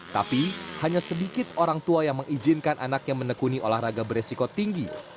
tapi hanya sedikit orang tua yang mengizinkan anaknya menekuni olahraga beresiko tinggi